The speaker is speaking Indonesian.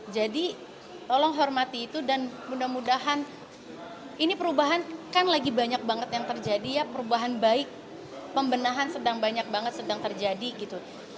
jadi tolong hormati itu dan mudah mudahan ini perubahan kan lagi banyak banget yang terjadi ya perubahan baik pembenahan sedang banyak banget sedang terjadi gitu